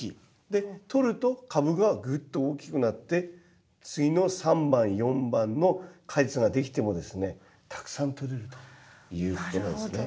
で取ると株がぐっと大きくなって次の３番４番の果実ができてもですねたくさん取れるということなんですね。